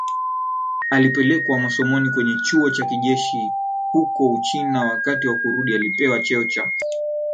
alipelekwa masomoni kwenye chuo cha kijeshi huko Uchina Wakati wa kurudi alipewa cheo cha